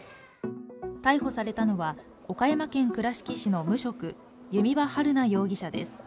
逮捕されたのは岡山県倉敷市の無職・弓場晴菜容疑者です。